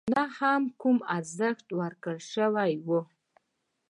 او نه هم کوم ارزښت ورکړل شوی وو.